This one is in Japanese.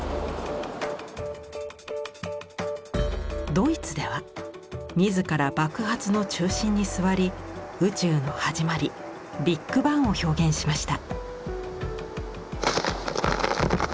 ドイツでは自ら爆発の中心に座り宇宙の始まりビッグバンを表現しました。